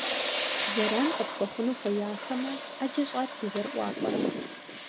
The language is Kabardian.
– Зэран къытхуэхъуну хуеяхэмэ, Ӏэджэ щӀат дызэрыӀуапӀэрэ.